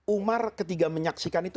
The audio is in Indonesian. umar ketika menyaksikan itu